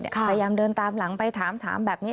ที่เกิดขึ้นพยายามเดินตามหลังไปถามแบบนี้